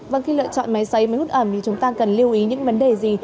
vâng khi lựa chọn máy xấy mới hút ẩm thì chúng ta cần lưu ý những vấn đề gì